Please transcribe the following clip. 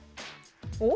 お？